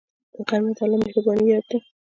غرمه د الله مهربانۍ یاد ده